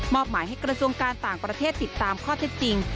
หมายให้กระทรวงการต่างประเทศติดตามข้อเท็จจริง